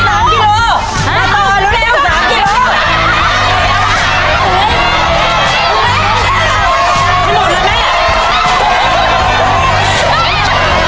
สามกิโลกรัมภายในเวลาสามกิโลกรัม